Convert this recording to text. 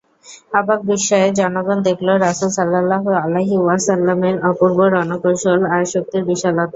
অবাক বিস্ময়ে জনগণ দেখল রাসূল সাল্লাল্লাহু আলাইহি ওয়াসাল্লাম-এর অপূর্ব রণকৌশল আর শক্তির বিশালতা।